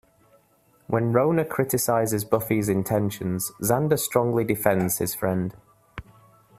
When Rona criticizes Buffy's intentions, Xander strongly defends his friend.